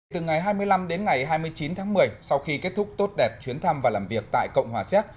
từ ngày hai mươi năm đến ngày hai mươi chín tháng một mươi sau khi kết thúc tốt đẹp chuyến thăm và làm việc tại cộng hòa xéc